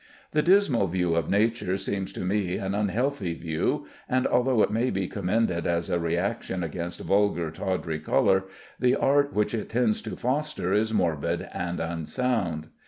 The dismal view of nature seems to me an unhealthy view; and although it may be commended as a reaction against vulgar, tawdry color, the art which it tends to foster is morbid and unsound.